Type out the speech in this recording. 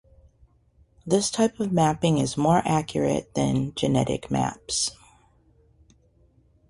This type of mapping is more accurate than genetic maps.